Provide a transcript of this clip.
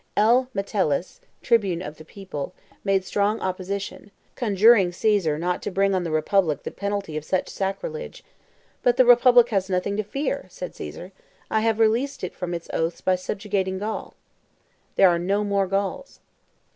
L. Metellus, tribune of the people, made strong opposition, conjuring Caesar not to bring on the Republic the penalty of such sacrilege: but "the Republic has nothing to fear," said Caesar; "I have released it from its oaths by subjugating Gaul. There are no more Gauls."